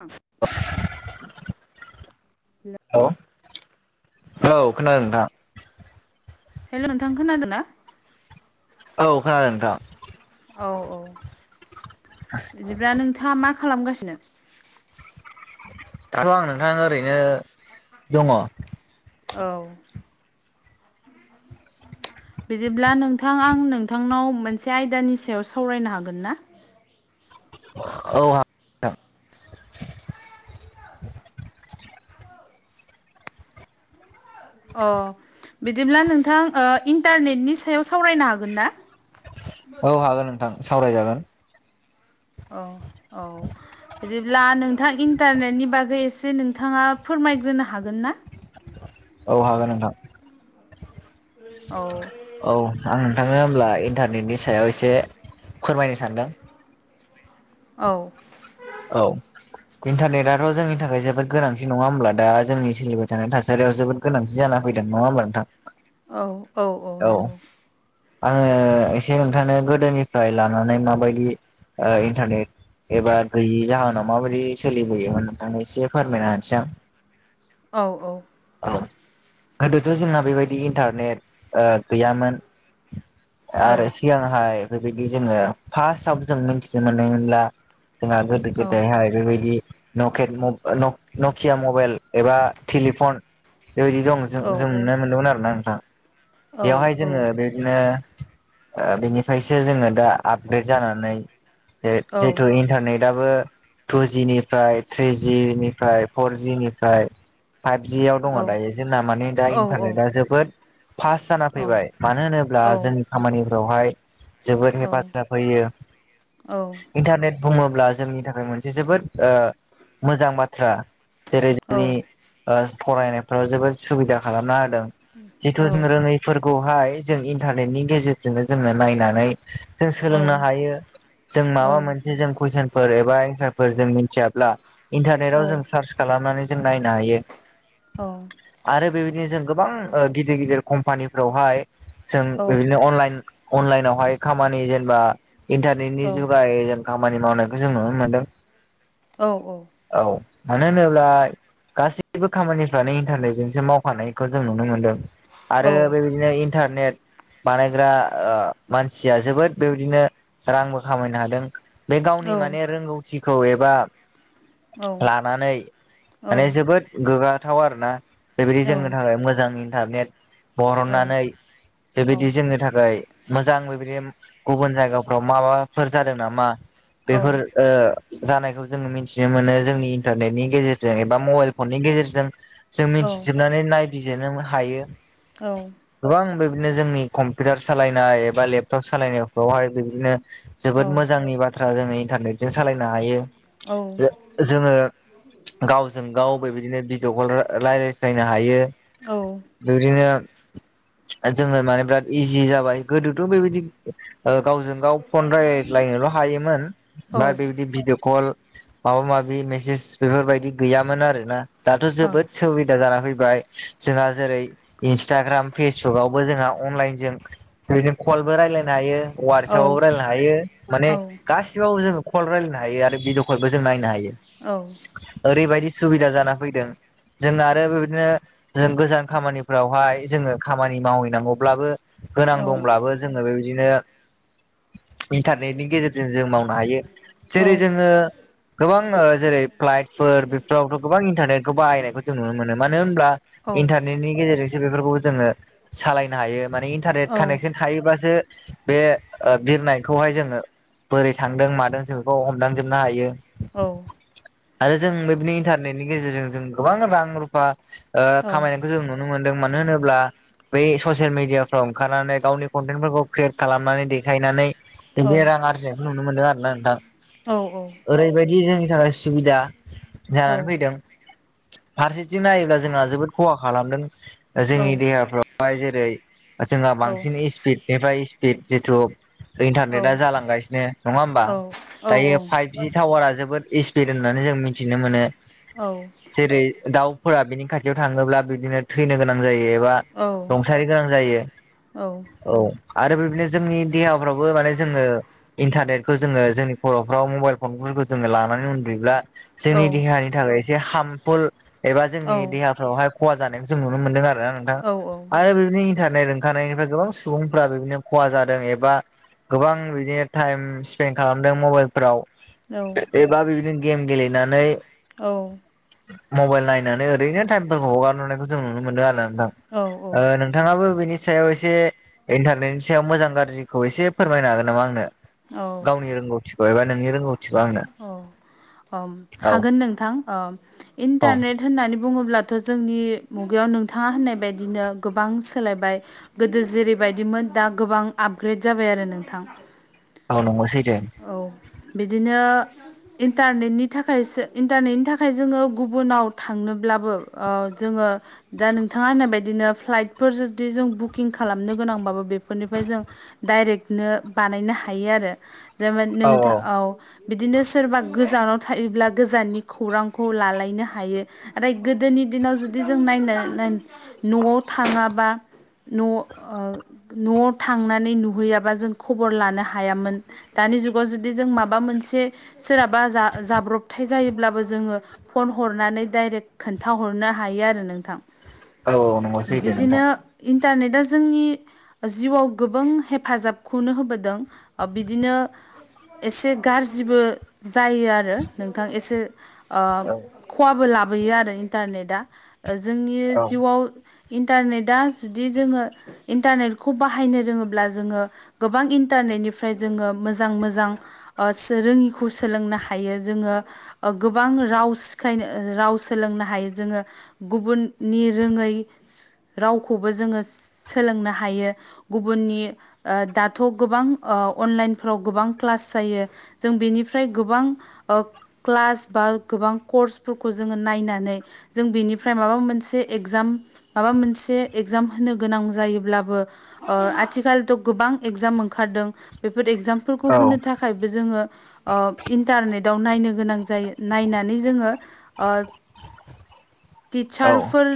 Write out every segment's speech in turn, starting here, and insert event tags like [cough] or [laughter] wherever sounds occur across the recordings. औ औ औ खोनादों नोंथां हेल' नोंथां खोनादों ना औ खोनादों नोंथां औ औ बिदिब्ला नोंथाङा मा खालामगासिनो दाथ' आं नोंथां आं ओरैनो दङ औ बिदिब्ला नोंथां आं नोंथांनाव मोनसे आयदानि सायाव सावरायनो हागोन ना औ हा अ बिदिब्ला नोंथां इन्टारनेटनि सायाव सावरायनो हागोन ना औ हागोन नोंथां सावरायजागोन औ औ बिदिब्ला नोंथां इन्टारनेटनि बागै एसे नोंथाङा फोरमायग्रोनो हागोन ना औ हागोन नोंथां औ औ आं नोंथांनो होमब्ला इन्टारनेटनि सायाव एसे फोरमायनो सानदों औ औ इन्टारनेटआथ' जोंनि थाखाय जोबोद गोनांथि नङा होमब्ला दा जोंनि सोलिबाय थानाय थासारियाव जोबोद गोनांथि जाना फैदों नङा होमब्ला नोंथां औ औ औ नंगौ आङो एसे नोंथांनो गोदोनिफ्राय लानानै माबायदि इन्टारनेट एबा गैयै जाहोनाव माबायदि सोलिबोयोमोन नोंथांनो एसे फोरमायना होनोसै आं औ औ औ गोदोथ' जोंना बेबायदि इन्टारनेट गैयामोन औ आरो सिगांहाय बेबायदि जोङो फार्स्टआव जों मिथिनो मोननायमोनब्ला जोंहा गोदो औ गोदायहाय बेबायदि नकेट नकिया मबाइल एबा टेलिफन बेबायदि दं जों औ जों नुनो मोनदोंमोन आरोना नोंथां औ बेयावहाय जोङो बेदिनो बेनिफ्रायसो जोङो दा आपग्रेड जानानै जे जेथु इन्टारनेटाबो टु जिनिफ्राय थ्रिजिनिफ्राय फर जिनिफ्राय फाइभ जियाव दङ दायो जोंना माने दा औ इन्टारनेटा जोबोद पास जाना औ औ फैबाय मानो औ होनोब्ला जोंनि खामानिफ्रावहाय जोबोद हेफाजाब होयो औ इन्टारनेट बुङोब्ला जोंनि थाखाय मोनसे जोबोद मोजां बाथ्रा जेरै जोंनि फरायनायफ्राव जोबोद सुबिदा खालामना होदों [inaudible] थ जों रोङैफोरखौहाय जों इन्टारनेटनि गेजेरजोंनो जोङो नायनानै जों सोलोंनो हायो जों माबा मोनसे जों कुइसन बोरैबा एनसारफोर जों मिथियाब्ला इन्टारनेटाव औ जों सार्च खालामनानै जों नायनो हायो औ आरो बेबायदिनो जों गोबां गिदिर गिदिर कम्पानिफ्रावहाय जों बिदिनो अनलाइन अनलाइनावहाय खामानि जेनेबा इन्टारनेटनि जुगायै जों खामानि मावनायखौ जों नुनो मोनदों औ औ औ मानो होनोब्ला गासैबो खामानिफ्रानो इन्टारनेटजोंसो मावखानायखौ जों नुनो मोन्दों आरो बेबायदिनो इन्टारनेट बानायग्रा मानसिया जोबोद बेबायदिनो रांबो खामायनो हादों बे गावनि माने रोंगौथिखौ एबा लानानै माने जोबोद गोग्गाथाव आरोना बेबायदि जोंनो थाखाय मोजां इन्टारनेट बरननानै बेबायदि जोंनो था खाय मोजां बेबायदि गुबुन जायगाफ्राव माबाफोर जादों नामा बेफोर ओ जानायखौ जोंङो मिथिनो मोनो जोंनि इन्टारनेटनि गेजेरजों एबा मबाइल फननि गेजेरजों जों मिथिजोबनानै नायबिजिरनो हायो औ गोबां बिदिनो जोंनि कम्पिउटार सालायनाय एबा लेपटप सालायनायफ्रावहाय बिदिनो जोबोद मोजांनि बाथ्रा जोङो इन्टारनेटजों सालायनो हायो जोङो गावजों गाव बेबायदिनो भिड कल रा रायलायज्लायनो हायो औ बिबदिनो जोङो माने बिराद इजि जाबाय गोदोथ' बेबायदि गावजों गाव फन रायजलायनोल' हायोमोन बा बेबायदि भिडिअ' कल माबा माबि मेसेज बेफोरबायदि गैयामोन आरो ना दाथ' जोबोद सुबिदा जाना फैबाय जोंहा जेरै इन्सटाग्राम फेसबुकवबो जोंहा अनलाइनजों बिदिनो कलबो रायलायनो हायो वार्सापवबो राय‌ लायनो हायो माने गासिबावबो जो कल रायलायनो हायो आरो भिडिअ खलबो जों नायनो हायो औ ओरैबायदि सुबिदा जाना फैदों जों आरो बेबायदिनो जों गोजान खामानि फोरावहाय जोङो मावहैनांगौब्लाबो गोनां दंब्लाबो जोङो बेबायदिनो इन्टारनेटनि गेजेरजों जों मावनो हायो जेरै जोङो गोबां जेरै फ्लाइटफोर बेफोरावथ' गोबां इन्टारनेटखौ बाहायनायखौ जों नुनो मोनो मानो होनब्ला इन्टारनेटनि गेजेरजों बेफोरखौबो जोङो सालायनो हायो माने इन्टरनेट कानेक्सन थायोबासो बे बिरनायखौहाय जोङो बोरै थांदों मादों जों बेखौ हमदांजोबनो हायो औ आरो जों बेबायदि इन्टारनेटनि गेजेरजों जों गोबां रां रुफा खामायनायखौ जों नु नो मोनदों मानो होनोब्ला बै ससियेल मिडियाफ्राव ओंखारनानै गावनि कन्टेन्टफोरखौ क्रियेट खालामनानै देखायनानै बिदि रां आरजिनायखौ नुनो मोनदों आरो ना नोंथां ओरैबायदि जोंनि थाखाय सुबिदा जानानै फैदों फारसेथिं नायोब्ला जोंहा जोबोद खहा खालामदों जोंनि देहाफ्रावहाय जेरै जोंहा बांसिन स्पिड बेनिफ्राय स्पिड जिथु इन्टारनेटआ जालांगासिनो नङा होमबा दायो फाइभ बि टावारा जोबोद इ्सपिड होननानै जों मिथिनो मोनो औ जेरै दाउफोरा बिनि खाथियाव थाङोब्ला बिदिनो थैनो गोनां जायो एबा औ औ रंसारि गोनां जायो औ आरो बेबायदिनो जोंनि देहाफ्रावबो माने जोङो इन्टारनेटखौ जोङो जोंनि खर'फ्राव मबाइल फनफोरखौ जोङो लानानै उन्दुयोब्ला जोंनि देहानि थाखाय एसे हार्मफुल एबा जोंनि देहाफ्रावहाय खहा जानाय जों नुनो मोन्दों आरोना नोंथां आरो बिनि इन्टारनेट ओंखानायनिफ्राय गोबां सुबुंफ्रा बेदिनो खहा जादों एबा गोबां बिदिनो टाइम स्पेन्ड खालामदों मबाइलफोराव औ बा बिदिनो गेम गेलेनानै औ मबाइल नायनानै ओरैनो टाइमफोरखौ हगारहरनायखौ जों नुनो मोनो आरोना नोंथां औ ओ नोंथाङाबो बिनि सायाव एसे इन्टारनेटनि सायाव मोजां गाज्रिखौ एसे फोरमायनो हागोन नामा आंनो औ गावनि रोंगौथिखौ एबा नोंनि रोंगौथिखौ आंनो उम औ हागोन नोंथां औ इन्टारनेट होननानै बुङोब्लाथ' जोंनि मुगायाव नोंथाङा होननाय बादिनो गोबां सोलायबाय गोदो जेरैबायदिमोन दा गोबां आपग्रेड जाबाय आरो नोंथां औ नंगौ सै औ बिदिनो इन्टारनेटनि थाखायसो इन्टारनेटनि थाखाय जोङो गुबुनाव थांनोब्लाबो जोङो दा नोंथाङा होननाय बायदिनो फ्लाइटफोर जुदि जों बुकिं खालामनो गोनांबाबो बेफोरनिफ्राय जों डाइरेक्टनो बानायनो हायो आरो जेनबा नोंथा औ बिदिनो सोरबा गोजानाव थायोब्ला गोजाननि खौरांखौ लालायनो हायो आरो गोदोनि दिनाव जुदि जों नायनो न'आव थाङाबा न' ओ न'आव थांनानै नुहैयाबा जों खबर लानो हायामोन दानि जुगाव जुदि जों माबा मोनसे सोरहाबा जा जाब्रबथाय जायोब्लाबो जोङो फन हरनानै डाइरेक्ट खोन्थाहरनो हायो आरो नोंथां औ नंगौ सैथो नोंथां बिदिनो इन्टारनेटा जोंनि जिउआव गोबां हेफाजाबखौनो होबोदों बिदिनो एसे गारजिबो जायो आरो नोंथां एसे ओ औ खहाबो लाबोयो आरो इन्टारनेटा जोंनि औ जिउआव इन्टारनेटा जुदि जोङो इन्टारनेटखौ बाहायनो रोङोब्ला जोङो गोबां इन्टारनेटनिफ्राय जोङो मोजां मोजां ओ रोङिखौ सोलोंनो हायो जोङो गोबां राव सिखायनो राव सोलोंनो हायो जोङो गुबुननि रोङै रावखौबो जोङो सोलोंनो हायो गुबुननि दाथ' गोबां ओ अनलाइन फ्राव गोबां क्लास जायो जों बेनिफ्राय गोबां क्लास बा गोबां कर्सफोरखौ जोङो नायनानै जों बेनिफ्राय माबा मोनसे एगजाम माबा मोनसे एगजाम होनो गोनां जायोब्लाबो ओ आथिखालथ' गोबां एगजाम ओंखारदों बेफोर एगजामफोरखौ होनो थाखाय बो जोङो इन्टारनेटाव नायनो गोनां जायो नायनानै जोङो ओ औ टिचारफोर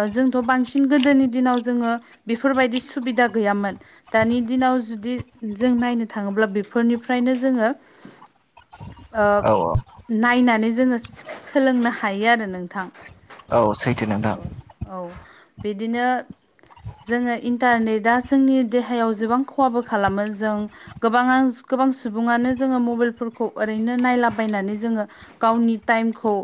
ओ जोंथ' बांसिन गोदोनि दिनाव जोङो बेफोरबायदि सुबिदा गैयामोन दानि दिनाव जुदि जों नायनो थाङोब्ला बेफोरनिफ्रायनो जोङो ओ औ नायनानै जोङो सोलोंनो हायो आरो नोंथां औ सैथो नोंथां औ बिदिनो जोङो इन्टारनेटआ जोंनि देहायाव जेबां खहाबो खालामो जों गोबाङा सु गोबां सुबुङानो जोङो मबाइलफोरखौ ओरैनो नायलाबायनानै जोङो गावनि टाइमखौ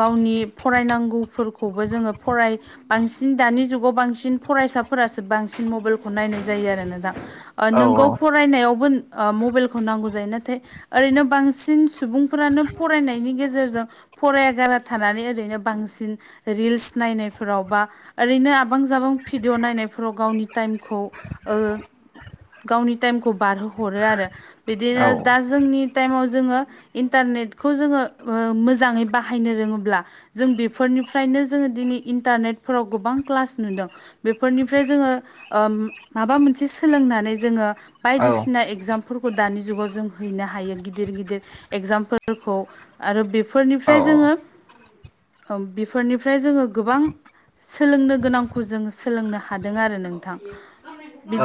गावनि फरायनांगौफोरखौबो जोङो फराय बांसिन दानि जुगाव बांसिन फरायसाफोरासो बांसिन मबाइलखौ नायनाय जायो आरो नोंथा ओ औ नोंगौ फरायनायावबो ओ मबाइलखौ नांगौ जायो नाथाय ओरैनो बांसिन सुबुंफोरानो फरायनायनि गेजेरजों फराया गारा थानानै ओरैनो बांसिन रिल्स नायनायफोराव बा ओरैनो आबां जाबां भिडिअ' नायनायफोराव गावनि टाइमखौ ओ गावनि टाइमखौ बारहोहरो आरो औ बिदिनो दा जोंनि टाइमाव जोङो इन्टारनेटखौ जोङो ओ मोजाङै बाहायनो रोङोब्ला जों बेफोरनिफ्रायनो जोङो दिनै इन्टारनेटफोराव गोबां क्लास नुदों बेफोरनिफ्राय जोङो ओ माबा मोनसे सोलोंनानै जोङो औ बायदिसिना एगजामफोरखौ दानि जुगाव जों हैनो हायो गिदिर गिदिर एगजामफोरखौ आरो बेफोरनिफ्राय औ जोङो ओ बेफोरनिफ्राय जोङो गोबां सोलोंनो गोनांखौ जों सोलोंनो हादों आरो नोंथां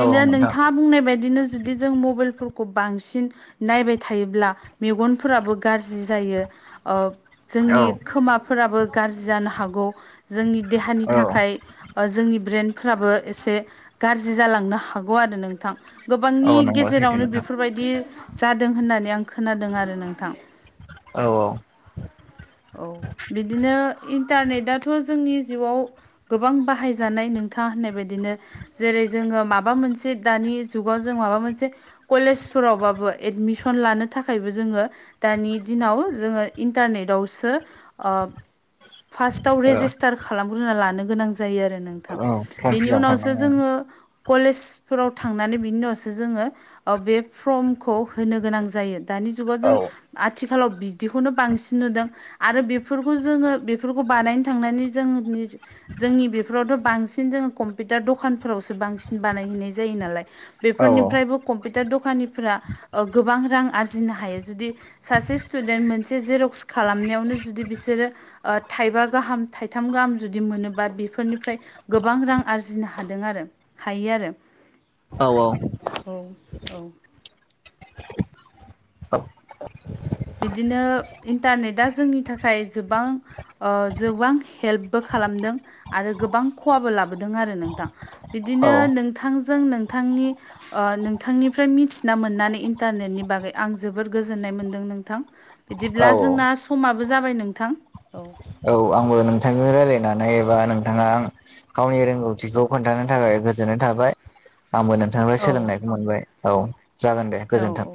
औ नोंथां नोंथाङा बुंनाय बायदिनो जुदि जों मब मबाइलफोरखौ बांसिन नायबाय थायोब्ला मेगनफोराबो गारजि जायो ओ औ जोंनि खोमाफोराबो गारजि जानो हागौ जोंनि देहानि औ थाखाय ओ जोंनि ब्रेनफ्राबो एसे गारजि जालांनो हागौ आरो नोंथां गोबांनि औ नंगौ सैथो गेजेरावनो नोंथां बेफोर बायदि जादों होननानै आं खोनादों आरो नोंथां औ औ औ बिदिनो इन्टारनेटथ' जोंनि जिउआव गोबां बाहायजानाय नोंथाङा होननाय बायदिनो जेरै जोङो माबा मोनसे दानि जुगाव जों माबा मोनसे कलेजफोरावबाबो एडमिसन लानो थाखायबो जोङो दानि दिनाव जोङो इन्टारनेटआवसो ओ फार्स्टआव औ रेजिस्टार खालामग्रोना लानो गोनां जायो आरो नोंथां औ फर्म बेनि फिलाप उनावसो खालामनांगौ जोङो कलेजफोराव थांनानै बिनि उनावसो जोङो ओ बे फर्मखौ होनो गोनां जायो दानि जुगाव जों औ आथिखालाव बिदिखौनो बांसिन नुदों आरो बेफोरखौ जोङो बेफोरखौ बानायनो थांनानै जोंनि जोंनि बेफोरावथ' बांसिन जोङो कम्पिउटार दखानफोरावसो बांसिन बानायहैनाय जायो नालाय औ बेफोरनिफ्रायबो कम्पिउटार दखानिफ्रा ओ गोबां रां आरजिनो हायो जुदि सासे स्टुडेन्ट मोनसे जेर'क्स खालामनायावनो जुदि बिसोरो ओ थाइबा गाहाम थाइथाम गाहाम जुदि मोनोबा बेफोरनिफ्राय गोबां रां आरजिनो हादों आरो हायो आरो औ औ औ औ बिदिनो इन्टारनेटआ जोंनि थाखाय जोबां ओ जोबां हेल्पबो खालामदों आरो गोबां खहाबो लाबोदों आरो नोंथां औ बिदिनो नोंथांजों नोंथांनि ओ नोंथांनिफ्राय मिथिना मोननानै इन्टारनेटनि बागै आं जोबोद गोजोननाय मोनदों नों थां औ बिदिब्ला जोंना समाबो जाबाय नोंथां औ बो नोंथांजों रायलायनानै एबा नोंथाङा गावनि रोंगौथिखौ खोन्थानो थाखाय गोजोननाय थाबाय आंबो नों थांफ्राय औ सोलोंनायखौ मोनबाय औ जागोन दे औ औ गोजोन्थों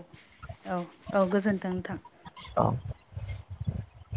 औ औ गोजोन्थों नोंथां औ